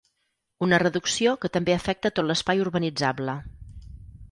Una reducció que també afecta tot l’espai urbanitzable.